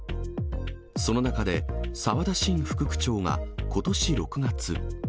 その中で、澤田伸副区長がことし６月。